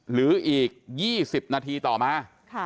หรืออีก๒๐นาทีต่อมา